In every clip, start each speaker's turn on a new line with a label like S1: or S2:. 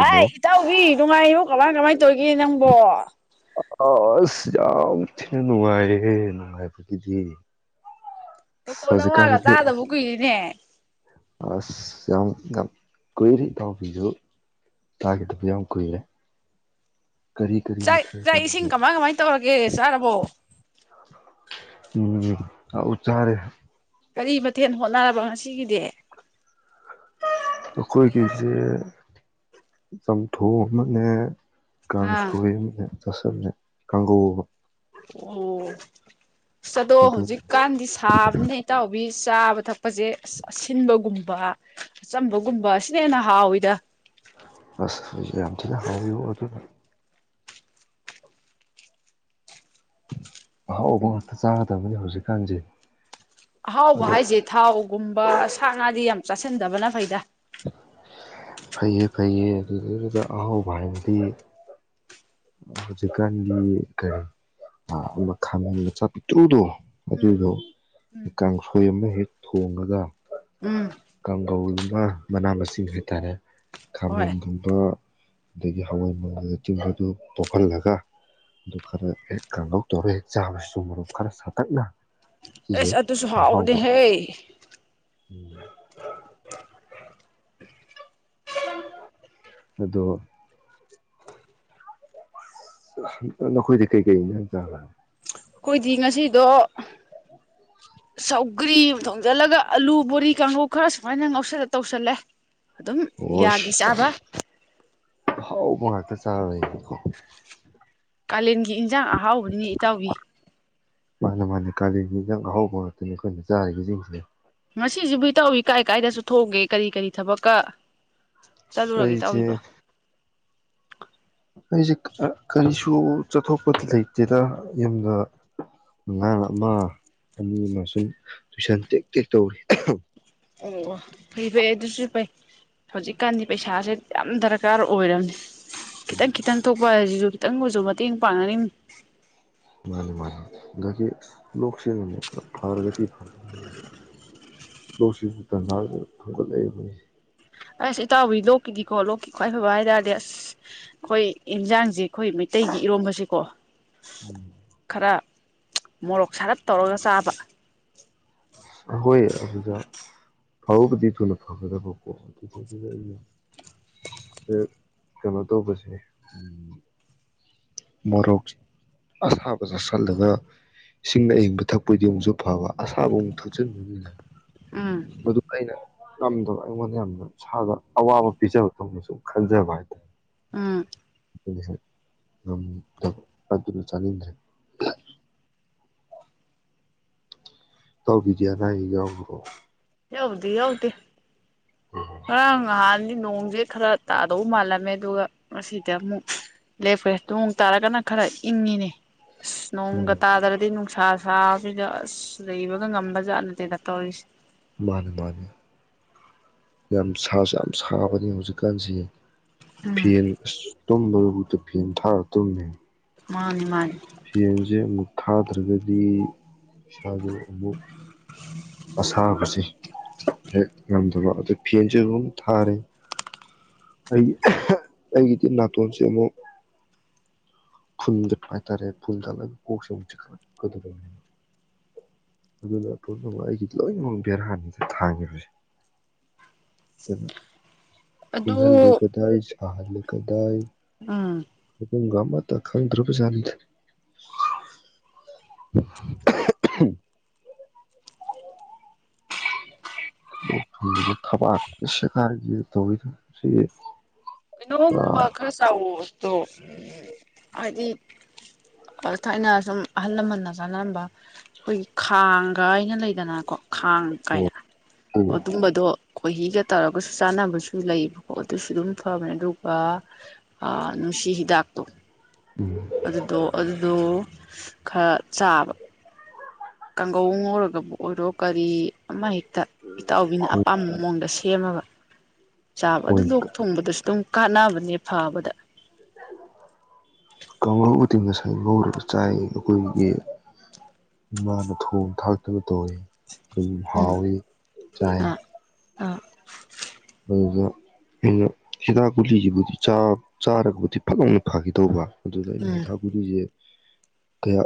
S1: ꯍꯥꯏ ꯏꯇꯥꯑꯣꯕꯤ ꯅꯨꯡꯉꯥꯏꯕꯣ ꯀꯃꯥꯏ ꯀꯃꯥꯏꯅ ꯇꯧꯔꯤꯒꯦ ꯅꯪꯕꯣ
S2: ꯑꯁ ꯌꯥꯝ ꯊꯤꯅ ꯅꯨꯡꯉꯥꯏꯔꯦꯍꯦ ꯅꯨꯡꯉꯥꯏꯕꯒꯤꯗꯤ
S1: ꯇꯣꯀꯣ
S2: ꯑꯁ
S1: ꯅꯪ ꯂꯥꯜꯂ
S2: ꯍꯧꯖꯤꯛꯀꯥꯟꯁꯦ
S1: ꯆꯥꯗꯕ ꯀꯨꯏꯔꯦꯅꯦ
S2: ꯑꯁ ꯌꯥꯝ ꯌꯥꯝ ꯀꯨꯏꯔꯦ ꯏꯇꯥꯕꯤꯁꯨ ꯇꯥꯒꯤꯗꯕ ꯌꯥꯝ ꯀꯨꯏꯔꯦ ꯀꯔꯤ ꯀꯔꯤ
S1: ꯥꯆꯥꯛ
S2: ꯃꯊꯦꯜ
S1: ꯆꯥꯛ ꯏꯁꯤꯡ
S2: ꯆꯥꯔꯒꯦ
S1: ꯀꯃꯥꯏ ꯀꯃꯥꯏ ꯇꯧꯔꯒꯦ ꯆꯥꯔꯕꯣ
S2: ꯎꯆ ꯆꯥꯔꯦ
S1: ꯀꯔꯤ ꯃꯊꯦꯜ ꯍꯣꯠꯅꯔꯕ ꯉꯁꯤꯒꯤꯗꯤ
S2: ꯑꯈꯣꯏꯒꯤꯁꯦ ꯆꯝꯊꯣꯡ ꯑꯃꯅꯦ
S1: ꯑꯥ
S2: ꯀꯥꯡꯁꯣꯏ ꯑꯝꯅꯦ ꯆꯁꯨꯝꯅꯦ ꯀꯪꯍꯧꯕ
S1: ꯑꯣ ꯑꯗꯣ
S2: ꯑꯗꯨ
S1: ꯍꯧꯖꯤꯛꯀꯥꯟꯗꯤ ꯁꯥꯕꯅꯦꯍꯦ ꯏꯇꯥꯎꯕꯤ ꯆꯥꯕ ꯊꯛꯄꯁꯦ ꯑꯁ ꯑꯁꯤꯟꯕꯒꯨꯝꯕ ꯑꯆꯝꯕꯒꯨꯝꯕ ꯑꯁꯤꯅ ꯍꯦꯟꯅ ꯍꯥꯎꯋꯤꯗ
S2: ꯑꯁ ꯌꯥꯝ ꯊꯤꯅ ꯍꯥꯎꯋꯤ ꯑꯗꯨꯅ ꯑꯍꯥꯎꯕ ꯉꯥꯛꯇ ꯆꯥꯒꯗꯕꯅꯤ ꯍꯧꯖꯤꯛꯀꯥꯟꯁꯦ
S1: ꯑ ꯍꯥꯎꯕ
S2: ꯑꯗꯣ
S1: ꯍꯥꯏꯁꯦ ꯊꯥꯎꯒꯨꯝꯕ ꯁꯥ ꯉꯥꯗꯤ ꯌꯥꯝ ꯆꯥꯁꯤꯟꯗꯕꯅ ꯐꯩꯗ
S2: ꯐꯩꯌꯦ ꯐꯩꯌꯦ ꯑꯗꯨꯗꯗꯨꯗ ꯑꯍꯥꯎꯕ ꯍꯥꯏꯅꯗꯤ ꯍꯧꯖꯤꯛꯀꯥꯟꯒꯤ ꯀꯔꯤ ꯃꯈꯥꯃꯦꯟ ꯃꯆꯥ ꯄꯤꯛꯇ꯭ꯔꯨꯗꯣ
S1: ꯎꯝ
S2: ꯑꯗꯨꯗꯣ
S1: ꯎꯝ
S2: ꯀꯥꯡꯁꯣꯏ ꯑꯃ ꯍꯦꯛ ꯊꯣꯡꯉꯒ
S1: ꯎꯝ
S2: ꯀꯧꯒꯨꯝꯕ ꯃꯅꯥ ꯃꯁꯤꯡ ꯍꯥꯏꯇꯥꯔꯦ
S1: ꯍꯣꯏ
S2: ꯈꯥꯃꯦꯟꯒꯨꯝꯕ ꯑꯗꯒꯤ ꯍꯋꯥꯏ ꯃꯪꯜꯗ ꯆꯤꯡꯕꯗꯨ ꯇꯣꯛꯞꯍꯜꯂꯒ ꯑꯗꯨ ꯈꯔ ꯍꯦꯛ ꯀꯥꯡꯧ ꯇꯧꯔ ꯍꯦꯛ ꯆꯥꯕꯁꯤꯁꯨ ꯃꯔꯨꯞ ꯈꯔ ꯁꯥꯇꯛꯅ ꯁꯤꯁꯦ
S1: ꯑꯦꯁ ꯑꯗꯨꯁꯨ ꯍꯥꯎꯎꯅꯦꯍꯦ
S2: ꯎꯝ ꯑꯗꯣ ꯅꯈꯣꯏꯗꯤ ꯀꯩ ꯀꯩꯅꯦ ꯆ
S1: ꯑꯩꯈꯣꯏꯗꯤ ꯉꯁꯤꯗꯣ ꯁꯧꯒ꯭ꯔꯤ ꯑꯃ ꯊꯣꯡꯖꯤꯜꯂꯒ ꯑꯂꯨ ꯕꯣꯔꯤ ꯀꯥꯡꯈꯧ ꯈꯔ ꯁꯨꯃꯥꯏꯅ ꯉꯧꯁꯜꯂ ꯇꯧꯁꯜꯂꯦ ꯑꯗꯨꯝ ꯌꯥꯒꯤ ꯆꯥꯕ
S2: ꯑꯣꯁ ꯐ ꯆꯕ
S1: ꯀꯥꯂꯦꯟꯒꯤ ꯏꯟꯁꯥꯡ ꯑꯍꯥꯎꯕꯅꯤ ꯏꯇꯥꯎꯒꯤ
S2: ꯃꯥꯅ ꯃꯥꯅꯦ ꯀꯥꯂꯤꯦꯟꯒꯤ ꯏꯟꯁꯥꯡ ꯑꯍꯧꯕ ꯉꯛꯇꯅꯤ ꯑꯩꯈꯣꯏꯅ ꯆꯥꯔꯤꯕꯁꯤꯡꯁꯦ
S1: ꯉꯁꯤꯁꯤꯕꯨ ꯏꯇꯥꯎꯕꯤ ꯀꯥꯏ ꯀꯥꯏꯗ ꯆꯠꯊꯣꯛ ꯎꯒꯦ ꯀꯔꯤ ꯀꯔꯤ ꯊꯕꯛꯀ ꯆꯠꯂꯨꯔꯒꯦ
S2: ꯑꯩꯁꯦ
S1: ꯏꯇꯥꯎꯕꯤꯕꯨ
S2: ꯑꯩꯁꯦ ꯀꯔꯤꯁꯨ ꯆꯠꯊꯣꯛꯄꯗꯤ ꯂꯩꯇꯦꯗ ꯌꯨꯝꯗ ꯑꯉꯥꯡ ꯑꯃ ꯑꯅꯤ ꯑꯃ ꯁꯨꯝ ꯇꯨꯏꯁꯟ ꯇꯦꯛ ꯇꯦꯛ ꯇꯧꯔꯤ
S1: ꯑꯣ ꯑꯣ ꯐꯩ ꯐꯩ ꯑꯗꯨꯁꯨ ꯐꯩ ꯍꯧꯖꯤꯛꯀꯥꯟꯗꯤ ꯄꯩꯁꯥꯁꯦ ꯌꯥꯝ ꯗꯔꯀꯥꯔ ꯑꯣꯏꯔꯕꯅꯦ ꯈꯤꯇꯪ ꯈꯤꯇꯪ ꯊꯣꯛꯄ ꯍꯥꯏꯁꯤꯁꯨ ꯈꯤꯇꯪ ꯑꯣꯏꯁꯨ ꯃꯇꯦꯡ ꯄꯥꯡꯅꯅꯤ
S2: ꯃꯥꯅꯤ ꯃꯥꯅꯤ ꯗꯒꯤ ꯂꯣꯛꯁꯦ ꯈꯔ ꯐꯔꯒꯗꯤ
S1: [inaudible]
S2: ꯂꯣꯠꯁꯤꯁꯨ ꯇꯟꯖꯥꯁꯤ ꯊꯨꯡꯒꯠꯂꯛꯏ ꯅꯦ
S1: ꯑꯁ ꯏꯇꯥꯎꯕꯤ ꯂꯣꯛꯀꯤꯗꯤꯀꯣ ꯂꯣꯛꯀꯤ ꯈ꯭ꯋꯥꯏ ꯐꯕ ꯍꯥꯏꯇꯥꯥꯔꯗꯤ ꯑꯁ ꯑꯩꯈꯣꯏ ꯏꯟꯖꯥꯡꯁꯦ ꯑꯩꯈꯣꯏ ꯃꯩꯇꯩꯒꯤ ꯏꯔꯣꯝꯕꯁꯤꯀꯣ
S2: ꯎꯝ
S1: ꯈꯔ ꯃꯣꯔꯣꯛ ꯁꯥꯔꯞ ꯇꯧꯔꯒ ꯆꯥꯕ
S2: ꯑꯁ ꯑꯩꯈꯣꯏ ꯑꯗꯨꯗ ꯐꯕꯨꯗꯤ ꯊꯨꯅ ꯐꯒꯗꯕꯀꯣ ꯑꯗꯨꯗꯗ ꯑ ꯀꯩꯅꯣ ꯇꯧꯕꯁꯦ ꯃꯣꯔꯣꯛ ꯑꯁꯥꯕ ꯆꯥꯁꯜꯂꯒꯥ ꯏꯁꯤꯡ ꯑꯏꯪꯕ ꯊꯛꯄꯣꯏꯗꯤ ꯑꯃꯨꯁꯨꯛ ꯐꯕ ꯑꯁꯥꯕ ꯑꯃꯨꯛ ꯊꯛꯆꯤꯟꯗꯨꯅꯤꯅ
S1: ꯎꯝ
S2: ꯃꯗꯨ ꯑꯩꯅ ꯉꯝꯗꯕ ꯑꯩꯉꯣꯟꯗ ꯌꯥꯝꯅ ꯏꯁꯥꯗ ꯑꯋꯥꯕ ꯄꯤꯖꯕꯗꯧꯅ ꯁꯨꯝ ꯈꯟꯖꯕ ꯍꯥꯏꯇꯥꯔꯦ
S1: ꯑꯥ
S2: [unintelligible] ꯑ ꯑ ꯆꯗ꯭ꯔꯦ ꯇꯧꯕꯤꯗꯤꯅ ꯑꯩꯒ꯭ꯔꯣ
S1: ꯌꯥꯎꯗꯤ ꯌꯥꯎꯗꯤ ꯑꯅꯤ ꯅꯣꯡꯁꯦ ꯈꯔ ꯇꯥꯗꯧ ꯃꯥꯜꯂꯝꯃꯦ ꯑꯗꯨꯒ ꯉꯁꯤꯗꯤ ꯑꯃꯨꯛ ꯂꯦꯞꯈ꯭ꯔꯦ ꯅꯣꯡ ꯇꯥꯔꯒꯅ ꯈꯔ ꯏꯪꯉꯤꯅꯦ
S2: ꯎꯝ
S1: ꯅꯣꯡꯒꯠꯇ ꯑꯗꯔꯗꯤ ꯁꯥ ꯁꯥꯕꯤꯗ ꯑꯁ ꯂꯩꯕꯒ ꯉꯝꯕ ꯖꯥꯠꯅꯠꯇꯦꯗ ꯇꯧꯔꯤꯁꯦ
S2: ꯃꯥꯅꯦ ꯃꯥꯅꯦ ꯌꯥꯝ ꯁꯥꯁꯨ ꯌꯥꯝ ꯁꯥꯕꯅꯤ ꯍꯧꯖꯤꯛꯀꯥꯟꯁꯤ
S1: ꯎꯝ
S2: ꯐ ꯇꯨꯝꯕꯗꯨꯕꯨꯗꯨ ꯐꯦꯟ ꯊꯥꯔ ꯇꯨꯝꯃꯦ
S1: ꯃꯥꯅꯦ ꯃꯥꯅꯤ
S2: ꯐꯦꯟꯁꯦ ꯑꯃꯨꯛ ꯊꯥꯗ꯭ꯔꯒꯗꯤ ꯏꯁꯗ ꯑꯃꯨꯛ ꯑꯁꯥꯄꯁ ꯍꯦꯛ ꯉꯝꯗꯕ ꯑꯗꯨ ꯐꯦꯟꯁꯨꯦ ꯑꯗꯨꯝ ꯊꯥꯔꯦ ꯑꯩ ꯑꯩꯒꯤꯗꯤ ꯅꯥꯇꯣꯟꯁꯦ ꯑꯃꯨꯛ ꯐꯟꯖꯠꯥꯏ ꯇꯔꯦ ꯐꯟꯖꯂꯒ ꯀꯣꯁꯟꯁꯤ ꯈꯂꯗ ꯑꯗꯨꯅ ꯄꯨꯝꯅꯃꯛ ꯑꯩꯒꯤ ꯂꯣꯏꯅꯃꯛ ꯕꯦꯔ ꯍꯥꯅꯤꯗꯦ ꯊꯥꯡꯉꯦ ꯍꯧꯁꯦ ꯀꯩꯅꯣ
S1: ꯑꯗꯨ
S2: ꯏꯪꯍꯥꯟꯗꯤ ꯀꯗ ꯑꯍꯂ ꯀꯗꯥꯏ
S1: ꯑꯥ
S2: ꯎꯨꯡꯒ ꯑꯃꯇ ꯈꯪꯗ꯭ꯔꯕꯖꯥꯠꯅꯤꯗ [inaudible] ꯊꯕꯁꯦ ꯀꯥ ꯇ
S1: ꯩꯅꯣꯕ ꯀꯜꯁꯥꯎ ꯑꯣ ꯍꯥꯏꯗꯤ ꯊꯥꯏꯅ ꯁꯨꯝ ꯑꯍꯜ ꯂꯃꯟꯅ ꯆꯥꯟꯅꯔꯝꯕ ꯑꯩꯈꯣꯏ ꯈꯥꯡ ꯀꯥꯏꯅ ꯂꯩꯗꯅꯀꯣ ꯈꯥꯡ ꯀꯥꯏꯅ
S2: ꯐꯣꯟꯁꯦ
S1: ꯑꯗꯨꯝꯕꯗꯣ ꯈꯣꯏꯍꯤꯒ ꯇꯧꯔꯒꯁꯨ ꯆꯥꯟꯅꯕꯁꯨ ꯂꯩꯌꯦꯕꯀꯣ ꯑꯗꯨꯁꯨ ꯑꯗꯨꯝ ꯐꯕꯅꯦ ꯑꯗꯨꯒ ꯅꯨꯡꯁꯤ ꯍꯤꯗꯥꯛꯇꯣ
S2: ꯎꯝ
S1: ꯑꯗꯨꯗꯣ ꯑꯗꯨꯗꯣ ꯈꯔ ꯆꯥꯕ ꯀꯥꯡꯒꯧ ꯉꯧꯔꯒꯕꯨ ꯑꯣꯏꯔꯣ ꯀꯔꯤ ꯑꯃ ꯍ ꯏꯇꯥꯎꯕꯤꯅ
S2: ꯍꯣꯏ
S1: ꯑꯄꯥꯝꯕ ꯃꯑꯣꯡꯗꯁꯨ ꯁꯦꯝꯃꯕ ꯆꯥꯕ ꯑꯗꯨ
S2: ꯍꯣꯏꯅꯦ
S1: ꯂꯣꯛ ꯊꯨꯡꯕꯗꯁꯨ ꯑꯗꯨꯝ ꯀꯥꯟꯅꯕꯅꯦ ꯐꯕꯗ
S2: ꯀꯥꯡꯂꯨꯞ ꯃꯇꯦꯡ ꯉꯁꯥꯏ ꯉꯧꯔꯒ ꯆꯥꯏ ꯑꯩꯈꯣꯏꯒꯤ ꯏꯃꯥꯅ ꯊꯣꯡ ꯊꯥꯛꯇꯅ ꯇꯧꯋꯤ ꯑꯗꯨꯝ
S1: ꯎꯝ
S2: ꯍꯥꯎꯒꯤ ꯆꯥꯏ
S1: ꯑꯥ ꯑꯥ
S2: ꯑꯗꯨꯗ ꯑꯩꯅ ꯍꯤꯗꯥꯛ ꯨꯂꯤꯁꯤꯕꯨꯗꯤ ꯆꯥꯔꯒꯕꯨꯗꯤ ꯐꯖꯧꯅ ꯐꯈꯤꯗꯧꯕ ꯑꯗꯨꯗ ꯑꯩꯅ
S1: ꯎꯝ
S2: ꯍꯤꯊꯥꯛꯒꯨꯔꯤꯁꯦ ꯀꯌꯥ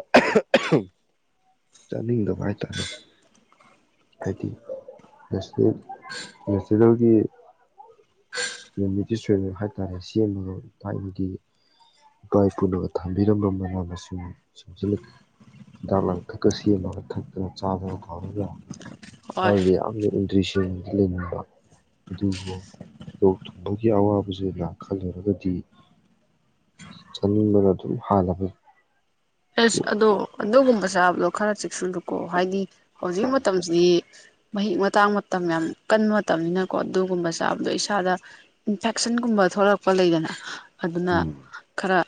S2: ꯆꯥꯅꯤꯡꯗꯕ ꯍꯥꯏꯇꯥꯔꯦ ꯍꯥꯏꯗꯤ ꯁꯤꯁꯤꯗ ꯒꯤ ꯔꯦꯃꯤꯗꯤꯁ ꯍꯥꯏꯇꯥꯔꯦ ꯁꯦꯝꯃꯒ ꯊꯥꯏꯅꯒꯤ ꯏꯄꯥ ꯏꯄꯨꯅꯒ ꯊꯝꯕꯤꯔꯝꯕ ꯃꯅꯥ ꯃꯁꯤꯡ ꯁꯁꯤ ꯍꯤꯗꯥꯛ ꯂꯥꯡꯊꯛꯀ ꯁꯦꯝꯃꯒ ꯊꯛꯇꯅ ꯆꯥꯗꯅ ꯊꯧꯔꯒ
S1: ꯍꯣꯏ
S2: ꯍꯥꯏꯕ ꯌꯥꯝꯅ ꯏꯟꯗꯔꯤꯁꯤ ꯇ ꯂꯕ ꯊꯨꯝꯕꯒꯤ ꯑꯋꯥꯕꯁꯦ ꯌꯥꯝ ꯈꯜꯂꯨꯔꯒꯗꯤ ꯆꯥꯅꯤꯡꯕꯅ ꯑꯗꯨꯝ ꯍꯥꯟꯂꯅꯕ
S1: ꯑꯦꯁ ꯑꯗꯣ ꯑꯗꯨꯒꯨꯝꯕ ꯆꯥꯕꯗꯣ ꯈꯔ ꯆꯦꯛꯁꯨꯜꯂꯨꯀꯣ ꯍꯥꯏꯗꯤ ꯍꯧꯖꯤꯛ ꯃꯇꯝꯁꯤꯗꯤ ꯃꯍꯤꯛ ꯃꯇꯥꯡ ꯃꯇꯝ ꯌꯥꯝ ꯀꯟꯕ ꯃꯇꯝꯅꯤꯅꯀꯣ ꯑꯗꯨꯒꯨꯝꯕ ꯆꯥꯕꯗꯣ ꯏꯁꯥꯗ ꯏꯟꯐꯦꯛꯁꯟꯒꯨꯝꯕ ꯊꯣꯛꯂꯛꯄ ꯂꯩꯗꯅ ꯑꯗꯨꯅ
S2: ꯎꯝ
S1: ꯈꯔ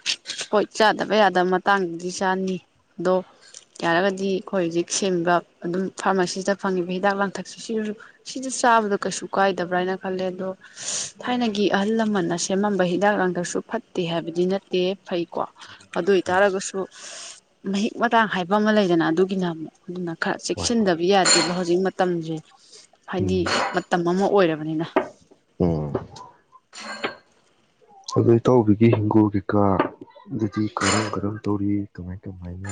S1: ꯍꯣꯏ ꯆꯥꯗꯕ ꯌꯥꯗꯕ ꯃꯇꯥꯡꯗ ꯆꯥꯅꯤ ꯑꯗꯣ ꯌꯥꯔꯒꯗꯤ ꯑꯩꯈꯣꯏ ꯍꯧꯖꯤꯛ ꯁꯦꯝꯃꯤꯕ ꯑꯗꯨꯝ ꯐꯥꯔꯃꯥꯁꯤꯁꯤꯗ ꯐꯪꯉꯤꯕ ꯍꯤꯗꯥꯛ ꯂꯥꯡꯊꯛꯁꯤ ꯁꯤꯁꯨ ꯁꯤꯗ ꯆꯥꯕꯗ ꯀꯩꯁꯨ ꯀꯥꯏꯗꯕ꯭ꯔꯥ ꯍꯥꯏꯅ ꯈꯜꯂꯦ ꯑꯗꯣ ꯊꯥꯏꯅꯒꯤ ꯑꯍꯜ ꯂꯃꯟꯅ ꯁꯦꯝꯃꯝꯕ ꯍꯤꯗꯥꯛ ꯂꯥꯡꯊꯛꯁꯨ ꯐꯠꯇꯦ ꯍꯥꯏꯕꯗꯤ ꯅꯠꯇꯦ ꯐꯩꯀꯣ ꯑꯗꯨ ꯑꯣꯏꯇꯥꯔꯒꯁꯨ ꯃꯍꯤꯛ ꯃꯇꯥꯡ ꯍꯥꯏꯕ ꯑꯃ ꯂꯩꯗꯅ ꯑꯗꯨꯒꯤꯅ ꯑꯃꯨꯛ ꯑꯗꯨꯅ ꯈꯔ
S2: ꯍꯣꯏ ꯍꯣꯏ
S1: ꯆꯦꯛꯁꯤꯟꯗꯕ ꯌꯥꯗꯦꯕ ꯍꯧꯖꯤꯛ ꯃꯇꯝ ꯍꯥꯏꯗꯤ ꯃꯇꯝ ꯑꯃ ꯑꯣꯏꯔꯔꯕ ꯃꯅꯤꯅ
S2: ꯑꯣ ꯑꯗꯨꯗꯣ ꯏꯇꯥꯎꯕꯤꯒꯤ ꯍꯤꯡꯒꯣꯕꯤꯀꯥ ꯑꯗꯨꯗꯤ ꯀꯔꯝ ꯀꯔꯝ ꯇꯧꯔꯤ ꯀꯃꯥꯏ ꯀꯃꯥꯏꯅ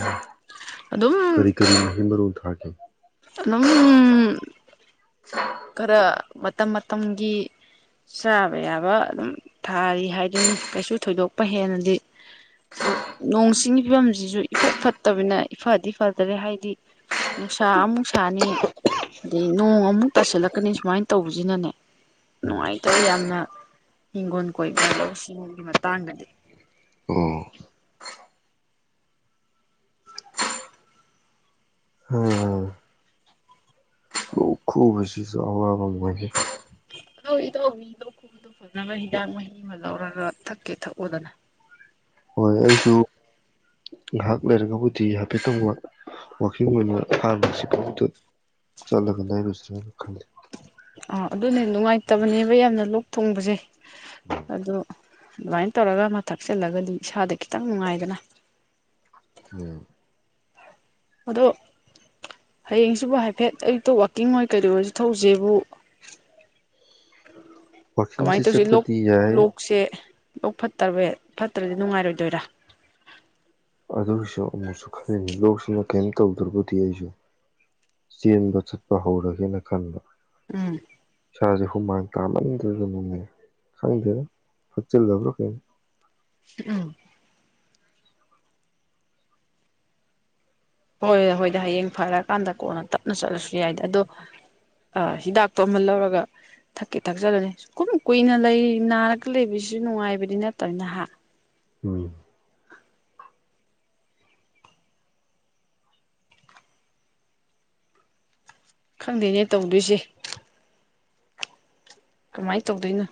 S1: ꯑꯗꯨꯝ
S2: ꯀꯔꯤ ꯀꯔꯤ ꯃꯍꯩ ꯃꯔꯣꯡ ꯊꯥꯒꯦ
S1: ꯑꯗꯨꯝ ꯈꯔ ꯃꯇꯝ ꯃꯇꯝꯒꯤ ꯆꯥꯕ ꯌꯥꯕ ꯑꯗꯨꯝ ꯊꯥꯔꯤ ꯍꯥꯏꯗꯨꯅꯤ ꯀꯩꯁꯨ ꯊꯣꯏꯗꯣꯛꯄ ꯍꯦꯟꯅꯗꯤ ꯑꯗꯨ ꯅꯣꯡꯁꯤꯡ ꯋꯥꯝꯁꯤ ꯁꯤꯁꯨ ꯏꯐꯠ ꯐꯠꯇꯕꯤꯅ ꯏꯐꯗꯤ ꯐꯗꯔꯦ ꯍꯥꯏꯗꯤ ꯅꯨꯡꯁꯥ ꯑꯃꯨꯛꯁꯥ ꯁꯅꯤ ꯑꯗꯨꯗꯒꯤ ꯅꯣꯡ ꯑꯃ ꯇꯁꯤꯜꯂꯛꯀꯅꯤ ꯁꯨꯃꯥꯏꯅ ꯇꯧꯕꯁꯤꯅꯅꯦ ꯅꯨꯡꯉꯥꯏꯇꯕ ꯌꯥꯝꯅ ꯍꯤꯡꯒꯣꯜ ꯀꯣꯏ ꯂꯧꯎ ꯁꯤꯡꯎꯒꯤ ꯃꯇꯥꯡꯗꯗꯤ
S2: ꯎꯝ ꯑꯣ ꯈ ꯁꯤꯁꯨ ꯑꯋꯥꯣꯏꯦ
S1: ꯏꯇꯧꯕꯤ ꯂꯣꯛꯈꯨꯕꯗꯣ ꯐꯅꯕ ꯍꯤꯗꯥꯛ ꯃꯍꯤ ꯑꯃ ꯂꯧꯔꯒ ꯊꯛꯀꯦ ꯊꯛꯎꯗꯅ
S2: ꯍꯣꯏ ꯑꯩꯁꯨ ꯉꯥꯏꯍꯥꯛ ꯂꯩꯔꯒꯕꯨꯗꯤ ꯍꯥꯏꯐꯦꯠꯇꯪ ꯋꯀꯤꯡ ꯑꯣꯏꯅ ꯍꯥꯟꯕꯁꯤꯐꯥꯎꯗ ꯆꯠꯂꯒ ꯂꯩꯔꯨꯁ꯭ꯔꯅ ꯈꯜꯂꯤ
S1: ꯑꯥ ꯑꯗꯨꯅꯦ ꯅꯨꯡꯉꯥꯏꯇꯕꯅꯦꯕ ꯌꯥꯝꯅ ꯂꯣꯛ ꯊꯣꯡꯕꯁꯦ ꯑꯗꯨ ꯑꯗꯨꯃꯥꯏꯅ ꯇꯧꯔꯒ ꯃꯥ ꯊꯛꯆꯤꯜꯂꯒꯗꯤ ꯏꯁꯥꯗ ꯈꯤꯇꯪ ꯅꯨꯡꯉꯥꯏꯗꯅ
S2: ꯎꯝ
S1: ꯑꯗꯣ ꯍꯌꯦꯡꯁꯤꯕꯨ ꯍꯥꯏꯐꯦꯠ ꯑꯌꯨꯛꯇ ꯋꯥꯛꯀꯤꯡ ꯑꯣꯏ ꯀꯩꯗꯧ ꯑꯣꯏꯁꯨ ꯊꯧꯁꯦꯕꯨ
S2: ꯋꯥꯛꯀꯤꯡꯁꯦ
S1: ꯀꯃꯥꯏꯅ ꯇꯧꯁꯤ ꯂꯣꯛ
S2: ꯆꯠꯄꯗꯤ ꯌꯥꯏ
S1: ꯂꯣꯛꯁꯦ ꯂꯣꯛ ꯐꯠꯇꯕ ꯐꯠꯇ꯭ꯔꯗꯤ ꯅꯨꯡꯉꯥꯏꯔꯣꯏꯗꯣꯏꯔꯥ
S2: ꯑꯗꯨꯒꯤꯁꯨ ꯑꯃꯨꯛꯁꯨ ꯈꯜꯂꯤꯉꯤ ꯂꯣꯛꯁꯤꯅ ꯀꯩꯝ ꯇꯧꯗ꯭ꯔꯕꯨꯗꯤ ꯑꯩꯁꯨ ꯆꯦꯟꯕ ꯆꯠꯄ ꯍꯧꯔꯒꯦꯅ ꯈꯟꯕ
S1: ꯎꯝ
S2: ꯈꯨꯨꯃꯥꯡ ꯇꯥꯃꯟꯗ꯭ꯔꯦꯒꯅꯦ ꯈꯪꯗꯦꯅ ꯐꯠꯆꯤꯜꯂꯕ꯭ꯔꯣ ꯀꯩꯅꯣ
S1: ꯎꯝ ꯍꯣꯏ ꯍꯣꯏꯗꯤ ꯍꯌꯦꯡ ꯐꯔꯀꯥꯟꯗ ꯀꯣꯟꯅ ꯇꯞꯅ ꯆꯠꯂꯁꯨ ꯌꯥꯏꯗ ꯑꯗꯣ ꯍꯤꯗꯥꯛꯇꯣ ꯑꯃ ꯂꯧꯔꯒ ꯊꯛꯀꯦ ꯊꯛꯆꯜꯂꯨꯅꯤ ꯀꯨꯝ ꯀꯨꯏꯅ ꯂꯩ ꯅꯥꯔꯒ ꯂꯩꯕꯁꯤꯁꯨ ꯅꯨꯡꯉꯥꯏꯕꯗꯤ ꯅꯠꯇꯕꯅꯤ ꯅꯍꯥꯛ
S2: ꯎꯝ
S1: ꯈꯪꯗꯦꯅꯦ ꯇꯧꯗꯣꯏꯁꯦ ꯀꯃꯥꯏꯅ ꯇꯧꯗꯣꯏꯅꯣ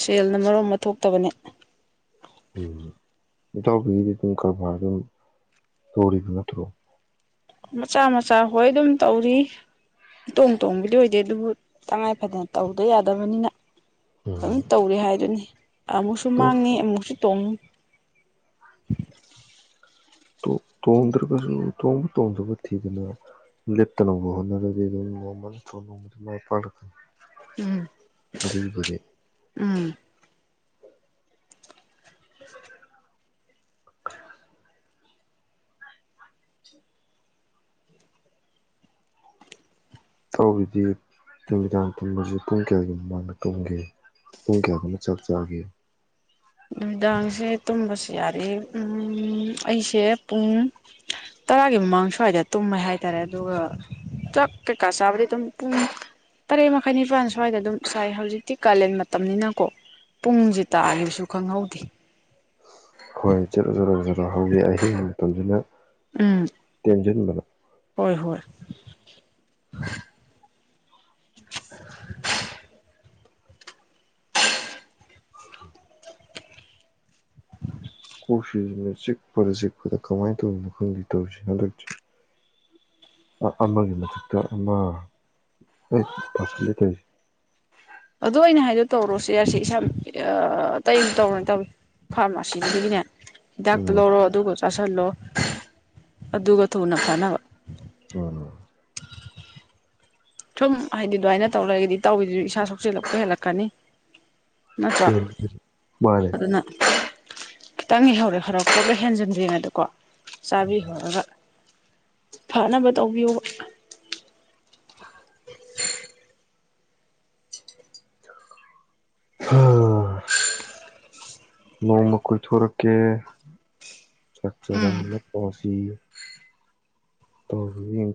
S1: ꯁꯦꯜꯅ ꯃꯔꯣ ꯑꯃ ꯊꯣꯛꯇꯕꯅꯦ
S2: ꯎꯝ ꯏꯇꯥꯎꯕꯤꯒꯤꯗꯤ ꯑꯗꯨꯝ ꯀꯔꯕꯥꯔ ꯑꯗꯨꯝ ꯇꯧꯔꯤꯕ ꯅꯠꯇ꯭ꯔꯣ
S1: ꯃꯆꯥ ꯃꯆꯥ ꯍꯣꯏ ꯑꯗꯨꯝ ꯇꯧꯔꯤ ꯏꯇꯣꯡ ꯇꯣꯡꯕꯗꯤ ꯑꯣꯏꯗꯦ ꯑꯗꯨꯕꯨ ꯇꯉꯥꯏ ꯐꯗꯅ ꯇꯧꯗ ꯌꯥꯗꯕꯅꯤꯅ ꯑꯗꯨꯝ
S2: ꯎꯝ
S1: ꯇꯧꯔꯤꯦ ꯍꯥꯏꯗꯨꯅꯤ ꯑꯃꯨꯛꯁꯨ
S2: ꯇꯣ
S1: ꯃꯥꯡꯉꯤ ꯑꯃꯨꯛꯁꯨ ꯇꯨꯡꯨꯡ
S2: ꯇꯣꯡꯗ꯭ꯔꯒꯁꯨ ꯇꯣꯡꯕ ꯇꯣꯡꯗꯕ ꯊꯤꯗꯅ ꯂꯦꯞꯇꯅꯕ ꯍꯣꯠꯅꯔꯗꯤ ꯑꯗꯨꯝ ꯅꯣꯡꯃ ꯅ ꯃꯥꯏ ꯄꯥꯛꯂꯛꯀꯅꯤ
S1: ꯎꯝ
S2: ꯜꯕꯨꯔꯗꯤ
S1: ꯎꯝ [inaudible]
S2: [inaudible] ꯇꯧꯔꯤꯗꯤ ꯅꯨꯃꯤꯗꯥꯡ ꯇꯨꯝꯕꯁꯤ ꯄꯨꯡ ꯀꯌꯥꯒꯤ ꯃꯃꯥꯡꯗ ꯇꯨꯝꯒꯦ ꯄꯨꯡ ꯀꯌꯥꯗꯃ ꯆꯥꯛ ꯆꯥꯒꯦ
S1: ꯅꯨꯃꯤꯗꯥꯡꯁꯦ ꯇꯨꯝꯕꯁꯨ ꯌꯥꯔꯦ ꯎ ꯑꯩꯁꯦ ꯄꯨꯡ ꯇꯔꯥꯒꯤ ꯃꯃꯥꯡ ꯁ꯭ꯋꯥꯏꯗ ꯇꯨꯝꯃꯦ ꯍꯥꯏꯇꯥꯔꯦ ꯑꯗꯨꯒ ꯆꯥꯛ ꯀꯩꯀꯥ ꯆꯥꯕꯗꯤ ꯑꯗꯨꯝ ꯄꯨꯡ ꯇꯔꯦꯠ ꯃꯈꯥꯏ ꯅꯤꯄꯥꯜ ꯁ꯭ꯋꯥꯏꯗ ꯑꯗꯨꯝ ꯆꯥꯏ ꯍꯧꯖꯤꯛꯇꯤ ꯀꯥꯂꯦꯟ ꯃꯇꯝꯅꯤꯅꯀꯣ ꯄꯨꯡꯁ ꯇꯥꯈꯤꯕꯁꯨ ꯈꯪꯍꯧꯗꯦ
S2: ꯍꯣꯏ ꯆꯠꯂꯣ ꯆꯂꯣ ꯑꯗꯣ ꯍꯧꯖꯤꯛ ꯑꯍꯤꯡꯒꯤ ꯃꯇꯝꯁꯤꯅ
S1: ꯎꯝ
S2: ꯃꯖꯟꯕ
S1: ꯍꯣꯏ ꯍꯣꯏ [inaudible]
S2: [inaudible] ꯀꯣꯛꯁꯤꯁꯤꯅ ꯆꯤꯛꯄꯗ ꯆꯤꯛꯄꯗ ꯀꯃꯥꯏꯅ ꯇꯧ ꯃꯈꯪꯒꯤ ꯇꯧꯔꯤꯁꯤ ꯍꯟꯗꯛꯁ ꯑꯃꯒꯤ ꯃꯊꯛꯇ ꯑꯃ ꯍ ꯐꯁ ꯂꯩ ꯀꯁ
S1: ꯑꯗꯨꯗ ꯑꯩꯅ ꯍꯥꯏꯗꯣ ꯇꯧꯔꯣꯁꯦ ꯌꯥꯁ ꯏꯁꯥ ꯇꯩꯅ ꯇꯧꯔꯅꯦ ꯇꯧ ꯐꯥꯔꯃꯥꯁꯤꯗꯨꯗꯒꯤꯅꯦ ꯍꯤꯗꯥꯛꯇ
S2: ꯎꯝ
S1: ꯂꯧꯔꯣ ꯑꯗꯨꯒꯁꯨ ꯆꯥꯥꯁꯜꯂꯣ ꯑꯗꯨꯒ ꯊꯨꯅ ꯀꯥꯟꯅꯕ
S2: ꯑꯂꯣ
S1: ꯁꯨꯝ ꯍꯥꯏꯗꯤ ꯑꯗꯨꯃꯥꯏꯅ ꯇꯧꯔꯒꯗꯤ ꯇꯧꯏꯗꯨꯁꯨ ꯏꯁꯥ ꯁꯣꯛꯆꯤꯜꯂꯛꯄ ꯍꯦꯜꯂꯛꯀꯅꯤ ꯅꯠꯇ꯭ꯔꯣ
S2: ꯃꯥꯅꯦ
S1: ꯑꯗꯨꯅ ꯈꯤꯇꯪꯍꯧꯔꯛꯑꯦ ꯍꯧꯔꯛꯄꯒ ꯍꯦꯟꯖꯤꯟꯗ꯭ꯔꯤꯉꯩꯗꯀꯣ ꯆꯥꯕꯤ ꯍꯕ ꯐꯅꯕ ꯇꯧꯕꯤꯌꯨꯕ
S2: ꯑ ꯅꯣꯡꯃ ꯀꯣꯏꯊꯣꯔꯛꯀꯦ ꯆꯠ ꯆꯔ ꯑꯃꯁꯤ ꯇꯧꯔꯒ ꯌꯦꯡꯒꯣ